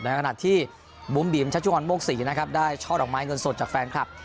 ในขณะที่วุ้มบิ๋มชัชุคร์มะโมกสีได้ช่อดอกไม้เงินสดจากแฟนคลับ